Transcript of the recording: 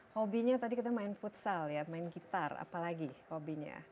hobinya tadi kita main futsal ya main gitar apalagi hobinya